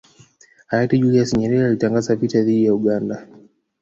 Hayati Julius Nyerere alitangaza vita dhidi ya Uganda